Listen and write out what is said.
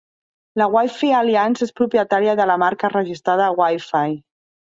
La Wi-Fi Alliance és propietària de la marca registrada "Wi-Fi".